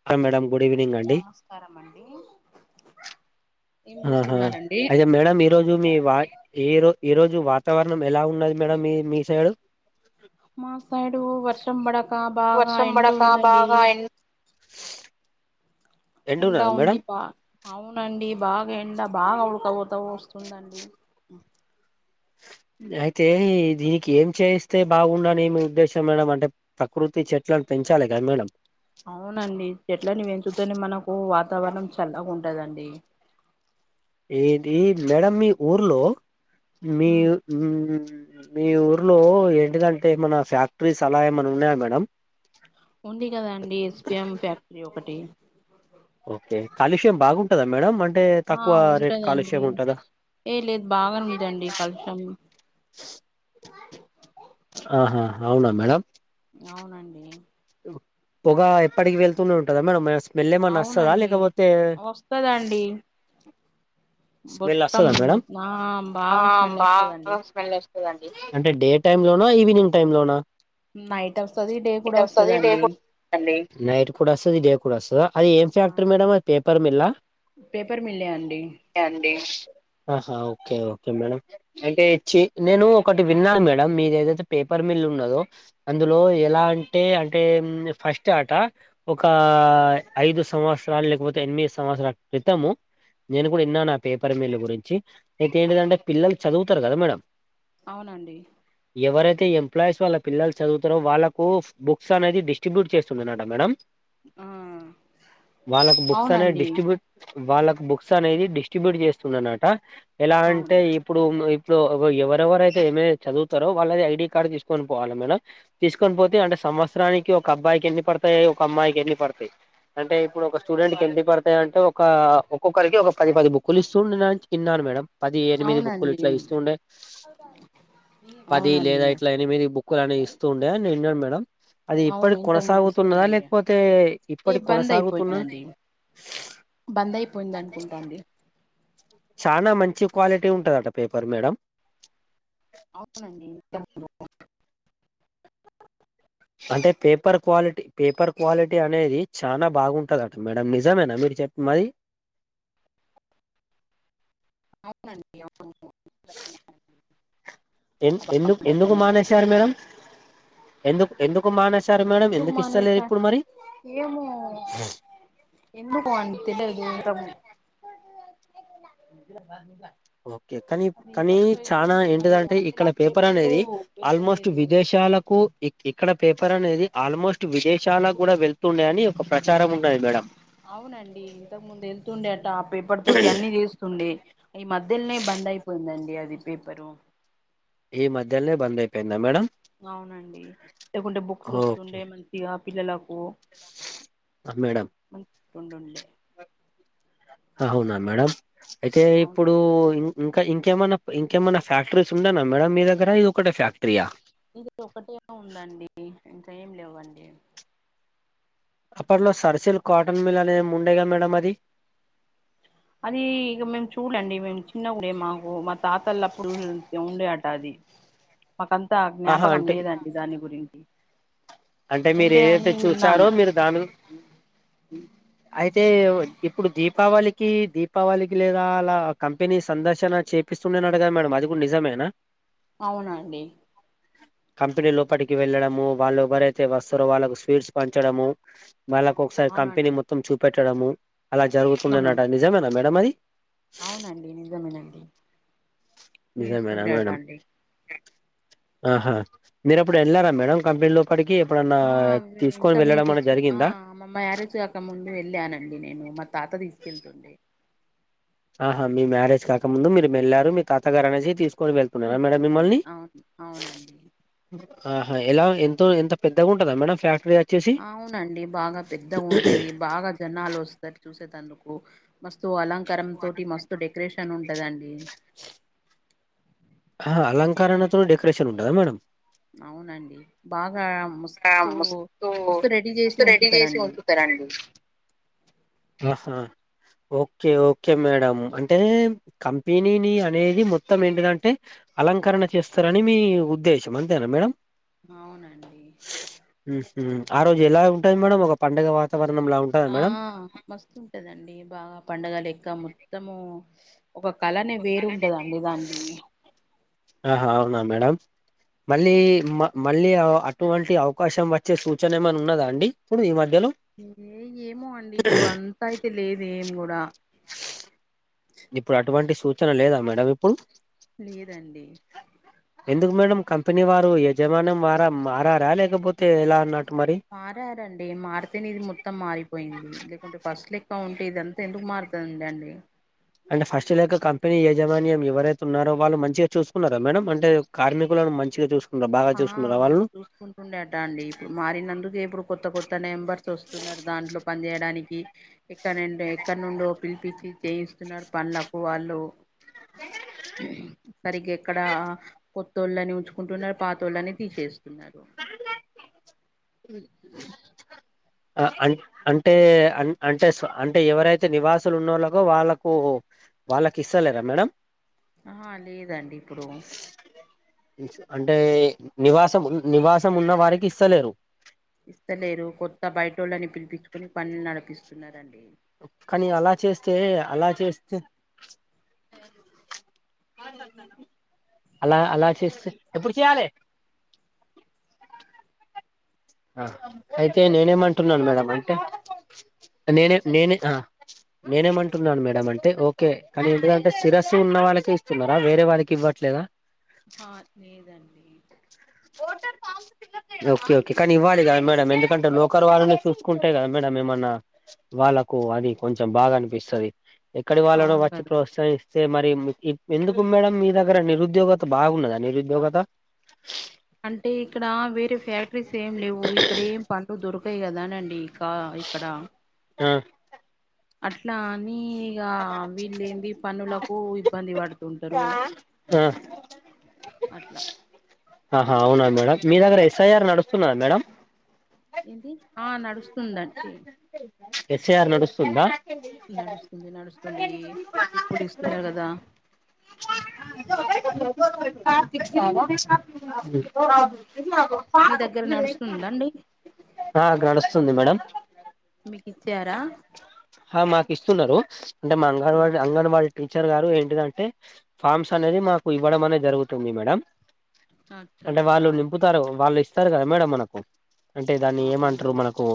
[unintelligible] అండి నమస్కారము అండి ఆహా అయితే మేడము మీరు ఈ రోజు మీ వా ఈ రో ఈ రోజు వాతావరణం ఎలా ఉన్నది మేడం మీ మీ సైడ్ మా సైడు వర్షం పడక బాగా ఎండ ఉందండి ఎండ ఎండున్నదా ఉంది మేడం పా అవునండి బాగా ఎండ బాగా ఉడకవుతా పోస్తుందండి అయితే దీనికి ఏం చేస్తే బాగుండని అని మి ఉద్దేశం మేడం అంటే ప్రకృతి చెట్లను పెంచాలి కదా మేడం అవునండి చెట్లని పెంచుతనే మనకు వాతావరణం చల్లగా ఉంటదండి ఏది మేడం మీ ఊర్లో మీ ఉమ్ మీ ఊరిలో ఏంటిదంటే ఏమన ఫ్యాక్టరీస్ అలా ఏమైన్నా ఉన్నాయా మేడంమ్ ఉంది కదా అండి ఎస్పిఎం ఫ్యాక్టరీ ఒకటి ఓకే కాలుష్యం బాగుంటదా మేడం అంటే ఆ తక్కువ రేట్ ఉంటదండి కాలుష్యం ఉంటదా ఏ లేదు బాగా ఉందండి కలుసం ఆహా అవునా మేడం అవునండి పొగ ఎప్పటికి వెళ్తూనే ఉంటందా మేడం స్మెల్ ఏమన్నా వస్తదా లేకపోతే కదండి స్మెల్ వస్తుందా మేడం ఆ బాగా స్మెల్ వస్తదండి బాగా స్మెల్ అంటే డే టైమ్ లోనా ఈవినింగ్ టైమ్ లోనా నైట్ వస్తది డే కూడా వస్తదండి నైట్ కూడా వస్తుద డే కూడా వస్తద అది ఏం ఆ ఫ్యాక్టర్ మేడమ్ అది పేపర్ మ మిల్ పేపర్ మిల్లే అండి కే అండి ఆహా ఓకే ఓకే మేడం అంటే ఇచ్చి నేను ఒకటి విన్నాను మేడం మీది ఏదైతే పేపర్ మిల్ ఉన్నదో అందులో ఎలా అంటే అంటే ఫస్ట్ ఆట ఒక ఐదు సంవత్సరాలు లేకపోతే ఎనిమిది సంవత్సరాల క్రితము ఇప్పుడు విన్నాను ఆ పేపర్ మీల్ గురించి ఇక ఏంటిదంటే పిల్లలు చదువుతారు కదా మేడం అవునండి ఎవరైతే ఎంప్లాయీస్ వాళ్ళ పిల్లలు చదువుతారో వాళ్ళకు బుక్స్ అనేది డి స్టిబ్యూట్ చేస్తుండేనటా మేడం ఆ వాళ్ళకు బుక్స్ అనే అవునండి డిస్ట్రిబ్యూట్ వాళ్ళకు బుక్స్ అనేది డిస్ట్రిబ్యూట్ చేస్తుండేనట ఎలా అంటే అవును ఇప్పుడు ఇప్పుడు ఎవరెవరైతే ఏమే చదువుతారో వాళ్ళది ఐడి కార్డు తీసుకొని పోవాల మేడం తీసుకొని పోతే అంటే సంవత్సరానికి ఒక అబ్బాయికి ఎన్ని పడతాయి ఒక అమ్మాయికి ఎన్ని పడతాయి అంటే ఇప్పుడు ఒక స్టూడెంట్‌కి ఎన్ని పడతాయి అంటే ఒక ఒకొ కరికి ఒక పది పది బుక్లు ఇస్తుండేన ఇన్నాను మేడం పది ఎనిమిది బుక్కులు అవునండి ఇట్లా ఇస్తుంటే పది అవునండి లేదా ఇట్లా ఎనిమిది బుక్ లాని ఇస్తూ ఉండే అని ఇన్నాను మేడం అది అవును ఇప్పటికీ ఇంతకు ముందు ఇస్తుండే కొనసాగుతున్నదా అండి లేకపోతే ఏ ఇప్పటి బంద్ కొనసాగుతున్నా అయిపోయిందండి బంద్ అయిపోయింది అనుకుంట అండి చానా మంచి క్వాలిటీ ఉంటదట పేపర్ మేడం అవునండి అంటే పేపర్ క్వాలిటీ పేపర్ క్వాలిటీ అనేది చానా బాగుంటాదట మేడం నిజమేనా మీరు చెప్ మాది అవునండి‌అవు ఎ ఎందుకు ఎందుకు మానేశారు మేడం ఎందుకు ఎందుకు మానేశారు మేడం ఎందుకు ఇస్తలేరు ఇప్పుడు మరి ఏమో ఎందుకో అండి తెలియదు ఇంతము ఇవా బా ఓకే కానీ కానీ చానా మరి ఆ ఏంటిదంటే మధ్యల ఇక్కడ పేపర్ పేపరు అనేది ఆల్మోస్ట్ వెళ్ళలేదు విదేశాలకు ఇక్ ఇక్కడ పేపర్ అనేది ఆల్మోస్ట్ విదేశాలకు కూడా వెళ్తుండే అని ఒక ప్రచారం ఉన్నది మేడం అవునండి ఇంతకు ముందు ఎళ్తుండే అట ఆ పేపర్ తోటి అన్ని చేస్తుండే ఈ మధ్యలోనే బంద్ అయిపోయిందండి అది పేపరు ఈ మధ్యల్నే బందయీ అవునండి లేకుంటే బుక్స్ వస్తుండే మంచిగా పిల్లలకు ఆ మేడం మం [inaudible] టుండుండే అవునా మేడం అయితే అవును ఇప్పుడు ఇంకా ఇంకేమైనా ఇంకేమైనా ఫ్యాక్టరీస్ ఉండెనా మేడమ్ మీ దగ్గర ఇది ఒకటే ఫ్యాక్టరీయా ఇది ఒకటే ఉందండి ఇంకా ఏం లేవండి అప్పట్లో సర్సిల్ కాటన్ మిల్ అనేది ఏమో ఉండేగా మేడం అది అది ఇక మేం చూడలే అండి మేము చిన్న కూడే మాకు మా తాతలప్పుడు ఉండే అట అది మాకంతా ఆహా జ్ఞాపకం అంటే లేదండి దాని గురించి అంటే మీరు ఉండే ఏదైతే అని చూసారో విన్నాను మీరు దాని అయితే ఇప్పుడు దీపావళికి దీపావళికి లేదా అలా కంపెనీ సందర్శన చే పిస్తుండేనట కదా మేడం అది కూడా నిజమేనా అవునండి కంపెనీ లోపటికి వెళ్ళడము వాళ్ళు ఎవరై తే వస్తారు వాళ్ళకి స్వీట్స్ పంచడము వాళ్ళకి ఒకసారి కంపెనీ అవునండి మొత్తం చూపెట్టడము అలా అవునండి జరుగుతుండెనట నిజమేనా మేడం అది అవునండి నిజమేనండి నిజమేనా ఈస్తుండేట మేడం అండి ఆహా మీరప్పుడు వెళ్ళానారా మేడం కంపెనీలోకి ఇప్పటికి ఎప్పుడన్నా తీసుకొని వెళ్ళడం అనే జరిగిందా మా మా మ్యారేజ్ కాక ముందు వెళ్ళానండి నేను మా తాత తీసుకెళ్తుండే ఆహా మీ మ్యారేజ్ కాకముందు మీరు వెళ్లారు మీ తాతగారు అనేసి తీసుకొని వెళ్ తీసుకెళ్తుండే అవును అవునండి ఆహా ఎలా ఎంతో ఎంత పెద్దగా ఉంటదా మేడం ఫ్యాక్టరీ వచ్చేసి అవునండి బాగా పెద్దగా ఉంటది బాగా జనాలు వస్తారు చూసేటందుకు మస్తు అలంకారం తోటి మస్తు డెకరేషన్ ఉంటదండి ఆహా అలంకరణతో డెకరేషన్ ఉంటదా మేడం అవునండి బాగా మస్తు మస్తు రెడీ చేసి ఉంచుతారండి ఆహా ఓకే ఓకే మేడం అంటే అంటే కంపెనీని అనేది మొత్తం ఏంటిదంటే అలంకరణ చేస్తారని మీ ఉద్దేశం అంతేనా మేడం అవునండి మ్మ్ హు ఆ రోజు ఎలా ఉంటాది మేడం ఒక పండగ వాతావరణంలా ఉం ఆ మస్తు వుంటదండి బాగా పండగలెక్క మొత్తము ఒక కళనే వేరు ఉంటదండి దాంది ఆహా అవునా మేడం మళ్ళీ అవునా మ మళ్ళీ అటువంటి అవకాశం వచ్చే సూచన ఏమైనా ఉన్నదా అండి ఇప్పుడు ఈ మధ్యలో ఏ ఏమో అండి ఇప్పుడు అంత అయితే లేదు ఏమి కూడా ఇప్పుడు అటువంటి సూచన లేదా మేడం ఇప్పుడు లేదండి ఎందుకు మేడం కంపెనీ వారు యజమానం వారా మారారా లేకపోతే ఎలా అన్నట్టు మరి మారారండి మారితేనే ఇది మొత్తం మారిపోయింది లేకుంటే ఫస్ట్ లెక్క ఉంటే ఇదంత ఎందుకు మారుతుందండి అంటే ఫస్ట్ లేక కంపెనీ యజమాన్యం ఎవరైతే ఉన్నారో వాళ్ళు మంచిగా చూసుకున్నారా మేడం అంటే కార్మికులను మంచిగా చూసుకున్నార బాగా చూసుకున్నరా వాళ్ళు చూసుకుంటూండే అట అండి ఇప్పుడు మారినందుకు ఇప్పుడు కొత్త కొత్త నెంబర్స్ వస్తున్నారు దాంట్లో పనిచేయడానికి ఎక్కనేండి ఎక్కడ నుండో పిలిపిచ్చి చేయిస్తున్నారు పన్లలకు వాళ్ళు సరిగ్గా ఎక్కడ కొత్తోళ్ళని ఉంచుకుంటున్నారు పాతోళ్ళని తీసేస్తున్నారు మ్మ్ [inaudible] ఆ అని అంటే అన్ అంటే స్ ఎవరైతే నివాసులు ఉన్నళ్ళకో వాళ్ళకు వాళ్ళకిస్తలేరా మేడం అహా లేదండి ఇప్పుడు అంటే నివాసం నివాసం ఉన్న వారికి ఇస్తలేరు ఇస్తలేరు కొత్త బయటోళ్ళని పిలిపిచ్చుకొని పనులు నడిపిస్తున్నారండి కనీ అలా చేస్తే అలా చేస్తే అలా అలా చేస్తే అయితే నేనేమంటున్నాను మేడం అంటే నేనేం నేనే నేనేమంటున్నాను మేడం అంటే ఓకే కానీ ఎంటిదంటే సిరస్సు ఉన్న వాళ్ళకే ఇస్తున్నారా వేరే వారికి ఇవ్వట్లేదా ఆ లేదండి ఓటర్ ఫామ్ ఓకే ఓకే కానీ ఇవ్వాలి కదా మేడం ఎందుకంటే లోకల్ వాళ్నే చూసుకుంటే కదా మేడం ఏమన్నా వాళ్ళలకు అది కొంచెం బాగా అనిపిస్తది ఎక్కడి వాళ్ళనో అవును వచ్చి కదా ప్రోత్సహి సే మరి ఎందుకు మేడం మీ దగ్గర నిరుద్యోగత బాగున్నదా నిరుద్యోగత అంటే ఇక్కడ వేరే ఫ్యాక్టరీస్ ఏం లేవు ఇక్కడ ఏం పనులూ దొరకాయి కదానండి ఇంకా ఇక్కడ ఆ అట్లా అన్ని ఇంకా వీళ్ళు ఏంది పనులకు ఇబ్బంది పడుతుంటారు ఆ అట్లా ఆహా అవునా మేడమ్ మీ దగ్గర ఎస్ఐఆర్ నడుస్తున్నధా మేడం ఏంది ఆ నడుస్తుందండి ఎస్ఐఆర్ నడుస్తందా నడుస్తుంది నడుస్తుంది ఇప్పుడు ఇస్తున్నారు కదా కార్ మీ దగ్గర నడుస్తుందండి ఆ గడుస్తుంది మేడంమ్ మీకు ఇచ్చారా ఆ మాకు ఇస్తున్నారు అంటే మా అంగన్వాడి అంగన్వాడి టీచర్ గారు ఏంటిదంటే ఫామ్స్ అనేది మాకు ఇవ్వడం అనేది జరుగుతుంది మేడం అచ్చ అంటే అచ్చా వాళ్ళు నింపుతారు వాళ్ళు ఇస్తారు కదా మేడం మనకు అంటే దాన్ని ఏమంటారు అవునండి మనకు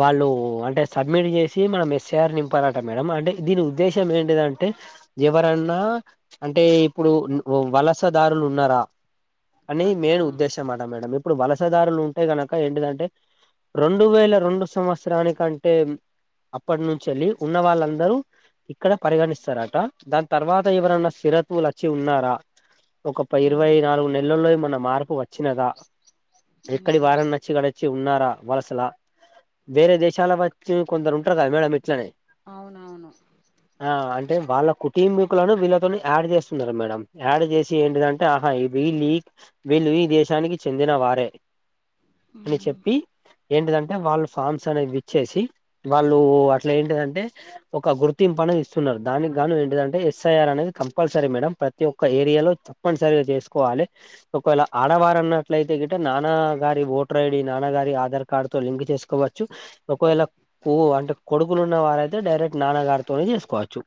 వాళ్ళు అంటే సబ్మిట్ చేసి ఇది మనం ఎస్ఏఆర్ నింపాలట మేడం అంటే దీని ఉద్దేశం ఏంటిదంటే ఎవరన్నా అంటే ఇప్పుడు వలసదారులు ఉన్నారా అనీ అచ్చా మెయిన్ ఉద్దేశం అట మేడం ఇప్పుడు వలసదారులు ఉంటే కనుక ఏంటిదంటే రెండు వేల రెండు సంవత్సరానికంటే అప్పటి నుంచేళ్ళి ఉన్న వాళ్ళందరూ ఇక్కడ పరిగణిస్తారట దాని తర్వాత ఎవరన్నా సిరతువులు వచ్చి ఉన్నారా ఒక ఇరవై ఉమ్ నాలుగు నెలల్లో మన మార్పు వచ్చినదా ఎక్కడి ఉమ్ వారాని నచ్చిడ వచ్చి ఉన్నారా వలసలా వేరే దేశాల వచ్చి కొందరు ఉంటారు కదా మేడం ఇట్లనే అవునవును ఆ అంటే వాళ్ళ కుటుంబీకులను వీళ్ళతోనీ యాడ్ చేస్తున్నారు మేడం యాడ్ చేసి ఏంటిదాం ఆహ విల్లు ఈ దేశానికి చెందిన వారే అని ఉమ్ చెప్పి ఏంటిదంటే వాళ్ళు ఫార్మ్స్ అనేది విచ్చేసి వాళ్ళు అట్లా ఏంటిదంటే ఒక గుర్తింపు అనేది ఇస్తున్నారు దానికి గాను ఏంటిదంటే ఎస్ఐఆర్ అనేది కంపల్సరీ మేడం ప్రతి ఒక్క ఏరియాలో తప్పనిసరిగా చేసుకోవాలి ఒకవేళ ఆడవారు అన్నట్లయితే గిట నాన్న గారి ఓటర్ ఐడి నాన్నగారి ఆధార్ కార్డు తో లింక్ చేసుకోవ ఒకవేళ కో అంటే కొడుకులు ఉన్న వారయితే డైరెక్ట్ నాన్నగారితోనే చేసుకోవచ్చు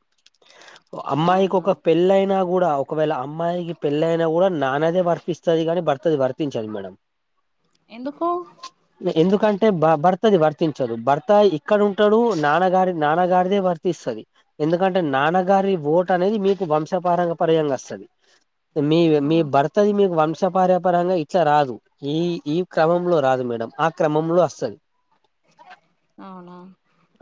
అమ్మాయికి ఒక అవునవును పెళ్ళయినా కూడా ఒకవేళ అమ్మాయికి పెళ్ళయినా కూడా నాన్నదే వర్తిస్తది కానీ బార్తది వర్తించాదు మేడం ఎందుకు ఎందుకంటే బ బర్తది వర్తించదు బర్తా ఇక్కడ ఉంటాడు నాన్నగారి నాన్నగారిదే వర్తిస్తది ఎందుకంటే నాన్నగారి ఓటు అనేది మీకు వంశపార పర్యంగా వస్తది మీ మీ ఆహా బర్తది మీ వం శపారపర్యంగా ఇట్లా రాదు ఈ ఈ క్రమంలో రాదు మేడం ఆ క్రమంలో అస్తది అవునా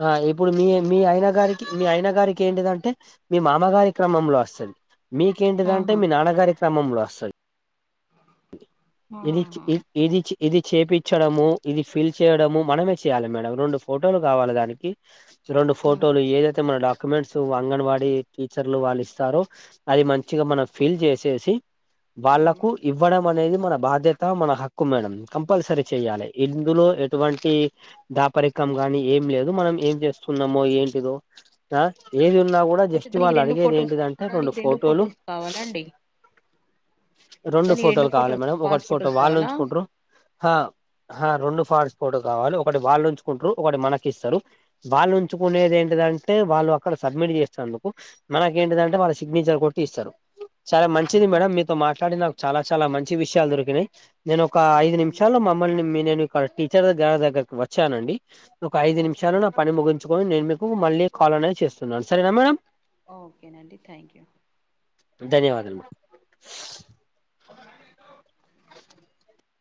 ఆ ఇప్పుడు మీ మీ అయిన గారికి మీ అయిన గారికి ఏంటిదంటే మీ మామగారి క్రమంలో వస్తది మీకేంటిదంటే ఆహా మీ నాన్నగారి క్రమంలో వస్తది ఎని ఇచ్ ఆహా ఇదిచి ఇది చేపించడము ఇది ఫిల్ చేయడము మనమే చేయాలి మేడం రెండు ఫోటోలు కావాలి దానికి రెండు ఫోటోలు ఉమ్ ఏదైతే మన డాక్యుమెంట్స్ అంగన్వాడీ టీచర్లు వాళ్ళు ఇస్తారో అది మంచిగా మనం ఫీల్ చేసేసి ఉమ్ వాళ్ళకు ఇవ్వడం అనేది మన బాధ్యత మన హక్కు మేడం కంపల్సరీ చేయాలి ఇందులో ఎటువంటి దాపరికం గానీ ఏం లేదు మనం ఏం చేస్తున్నామో ఏంటిదో ఆ ఏది ఉన్నా కూడా అయితే జస్ట్ దానికి వాళ్ళు రెండు అడిగేది ఫొటోస్ ఏంటిదంటే రెండు దానికి ఫోటోలు ఫొటోస్ కావాలా అండి రెండు దానికి ఫోటోలు కావాలి ఫొటోస్ మేడం పాస్ ఒకటి ఫోటో ఫొటోస్ కావాలా వాళ్ళుంచుకుంట్ర ఆ రెండు ఫాస్ ఫోటో కావాలి ఒకటి వాళ్ళు ఉంచుకుంటరు ఒకటి మనకి ఇస్తరు వాళ్ళు ఉంచుకునేది ఏంటిదంటే వాళ్ళు అక్కడ సబ్మిట్ చేస్తాందుకు మనక ఏంటిదంటే వాళ్ళ సిగ్నేచర్ కొట్టి ఇస్తరు చాలా మంచిది ఓ మేడం మీతో మాట్లాడి నాకు చాలా చాలా మంచి విషయాలు దొరికినాయి నేను ఒక ఐదు అవునండి నిమిషాల్లో థ్యాంక్ యూ మమ్మల్ని నేను ఇక్కడ టీచర్ ద్గ దగ్గరకి వచ్చానండి ఒక ఐదు అచ్చా నిమిషాలు నా పని ముగించుకొని నేను మీకు మళ్ళీ కాల్ అనేది చేస్తున్నాను సరేనా మేడం ఓకే నండి థ్యాంక్ యూ ధన్యవాదాలు మె అ